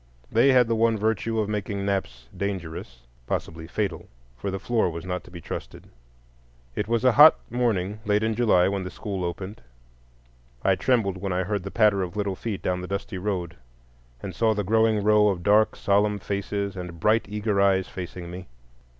They had the one virtue of making naps dangerous,—possibly fatal, for the floor was not to be trusted. It was a hot morning late in July when the school opened. I trembled when I heard the patter of little feet down the dusty road, and saw the growing row of dark solemn faces and bright eager eyes facing me.